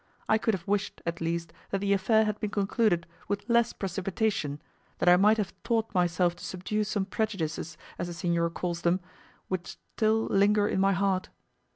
I could have wished, at least, that the affair had been concluded with less precipitation, that I might have taught myself to subdue some prejudices, as the Signor calls them, which still linger in my heart.